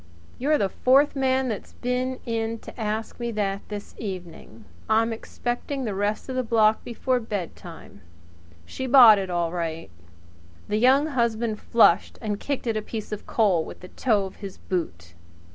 "You're the fourth man that's been in to ask me that this evening. I'm expecting the rest of the block before bedtime. She's bought it all right." The Young Husband flushed and kicked at a piece of coal with the toe of his boot.